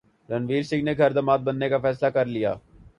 رنویر سنگھ نے گھر داماد بننے کا فیصلہ کر لیا